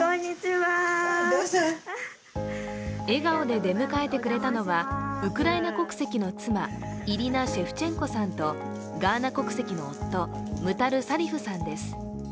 笑顔で出迎えてくれたのはウクライナ国籍の妻・イリナ・シェフチェンコさんとガーナ国籍の夫、ムタル・サリフさんです。